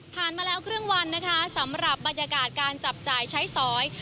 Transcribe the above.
มาแล้วครึ่งวันนะคะสำหรับบรรยากาศการจับจ่ายใช้สอย